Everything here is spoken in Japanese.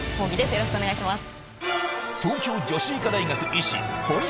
よろしくお願いします。